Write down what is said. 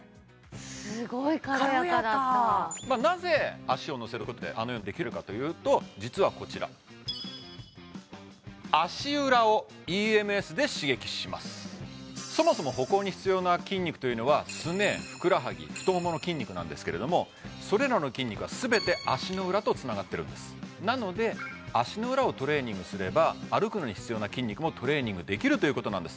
すごい軽やかだったなぜ足を乗せることであのようにできるかというと実はこちらそもそも歩行に必要な筋肉というのはすねふくらはぎ太ももの筋肉なんですけれどもそれらの筋肉はすべて足の裏とつながってるんですなので足の裏をトレーニングすれば歩くのに必要な筋肉もトレーニングできるということなんです